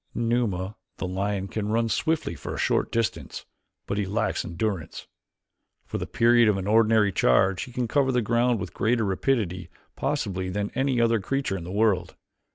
Numa, the lion, can run swiftly for a short distance, but he lacks endurance. For the period of an ordinary charge he can cover the ground with greater rapidity possibly than any other creature in the world.